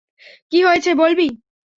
কী হয়েছে বলবি?